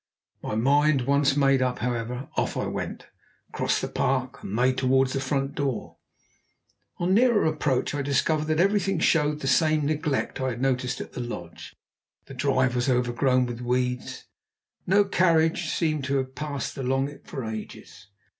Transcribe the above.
My mind once made up, however, off I went, crossed the park, and made towards the front door. On nearer approach, I discovered that everything showed the same neglect I had noticed at the lodge. The drive was overgrown with weeds; no carriage seemed to have passed along it for ages.